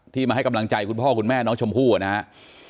มาให้กำลังใจคุณพ่อคุณแม่น้องชมพู่นะครับ